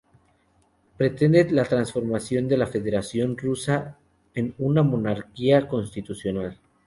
Pretende la transformación de la Federación Rusa en una monarquía constitucional.